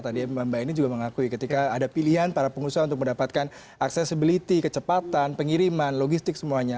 tadi mbak eni juga mengakui ketika ada pilihan para pengusaha untuk mendapatkan accessibility kecepatan pengiriman logistik semuanya